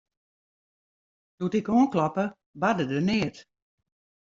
Doe't ik oankloppe, barde der neat.